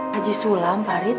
haji sulam farid